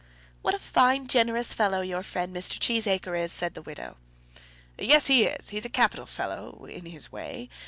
"What a fine generous fellow your friend, Mr. Cheesacre, is!" said the widow. "Yes, he is; he's a capital fellow in his way.